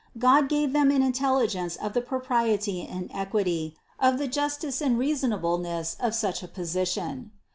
God gave them an intelligence of the propriety and equity, of the justice and reasonableness of such a position.